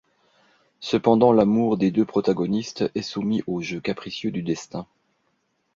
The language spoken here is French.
Cependant, l'amour des deux protagonistes est soumis aux jeux capricieux du destin.